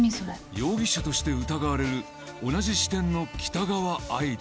容疑者として疑われる同じ支店の北川愛理。